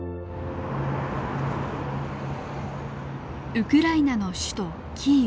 ウクライナの首都キーウ。